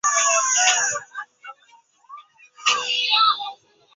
傍晚儿子回来了